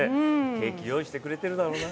ケーキ用意してくれてるだろうな。